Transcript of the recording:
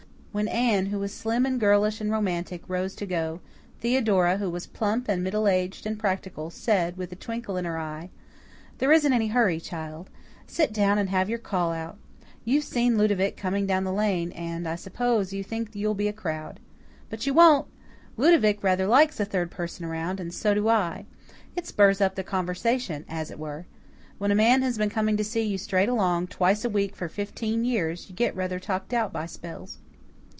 When Anne, who was slim and girlish and romantic, rose to go, Theodora, who was plump and middle aged and practical, said, with a twinkle in her eye: "There isn't any hurry, child. Sit down and have your call out. You've seen Ludovic coming down the lane, and, I suppose, you think you'll be a crowd. But you won't. Ludovic rather likes a third person around, and so do I. It spurs up the conversation as it were. When a man has been coming to see you straight along, twice a week for fifteen years, you get rather talked out by spells."